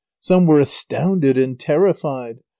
Some were astounded and terrified.